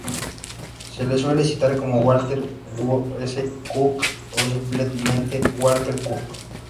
Se le suele citar como Walter W. S. Cook o simplemente como Walter Cook.